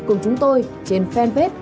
cùng chúng tôi trên fanpage